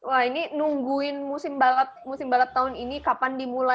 wah ini nungguin musim balap musim balap tahun ini kapan dimulai